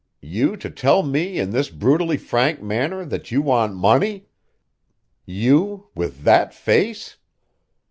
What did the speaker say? "You to tell me in this brutally frank manner that you want money! You with that face!"